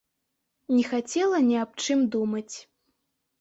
Не хацела ні аб чым думаць.